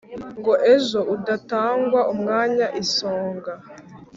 Ngo ejo udatangwa umwanya i Songa